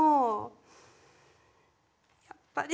やっぱり。